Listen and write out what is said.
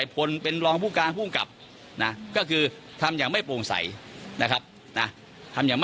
เป็นลองผู้การผู้กลับก็คือทำอย่างไม่โปร่งใส่นะครับ